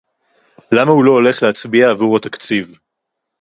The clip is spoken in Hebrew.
למה הוא לא הולך להצביע עבור התקציב